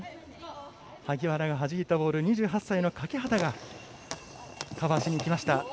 萩原がはじいたボール２８歳の欠端がカバーしにいきました。